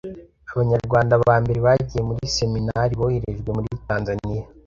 Abanyarwanda ba mbere bagiye mu seminari boherejwe muriTanzaniya